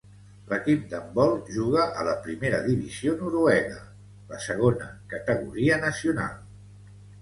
L'equip d'handbol juga a la primera divisió noruega, la segona categoria nacional.